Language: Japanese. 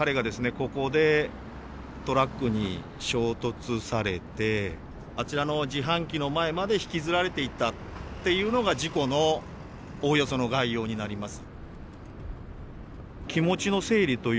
ここでトラックに衝突されてあちらの自販機の前まで引きずられていったっていうのが事故のおおよその概要になります。